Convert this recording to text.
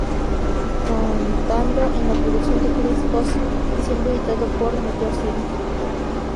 Contando en la producción con Chris Goss y siendo editado por Meteor City.